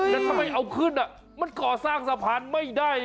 แต่ทำไมเอาขึ้นมันก่อสร้างสะพานไม่ได้